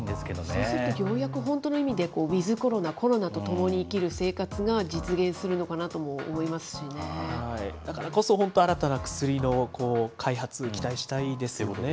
そうするとようやく本当の意味で、ウィズコロナ、コロナと共に生きる生活が実現するのかなとも思いだからこそ、本当に新たな薬の開発、期待したいですよね。